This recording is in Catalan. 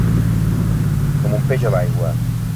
Com un peix a l'aigua.